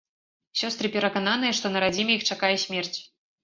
Сёстры перакананыя, што на радзіме іх чакае смерць.